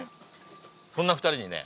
そんな２人にね